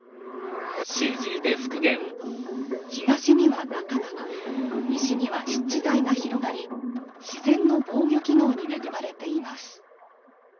東には中川西は湿地帯が広がり自然の防御機能に恵まれています。